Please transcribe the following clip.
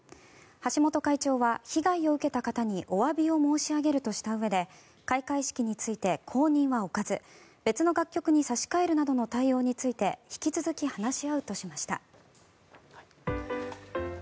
橋本会長は被害を受けた方におわびを申し上げるとしたうえで開会式について後任は置かず別の楽曲に差し替えるなどの対応について引き続き話し合うとしました。